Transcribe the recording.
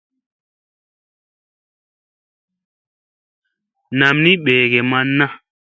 Nam mi ɓegee man na.